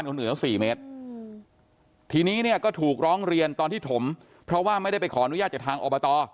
คือถนนมันสูงสี่เมตร